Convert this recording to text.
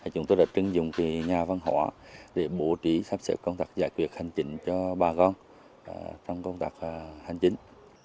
chúng tôi đã chứng dụng nhà văn hóa để bố trí sắp xếp công tập giải quyết hành trình cho bà con trong công tập hành trình